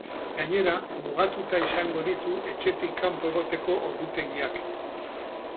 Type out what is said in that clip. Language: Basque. Gainera, mugatuta izango ditu etxetik kanpo egoteko ordutegiak.